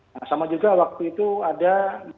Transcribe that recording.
nah sama juga waktu itu ada